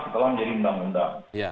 ketelah menjadi undang undang